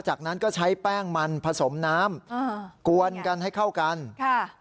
จากนั้นก็ใช้แป้งมันผสมน้ำอ่ากวนกันให้เข้ากันค่ะ